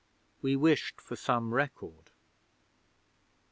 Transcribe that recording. We wished for some record.